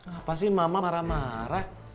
apa sih mama marah marah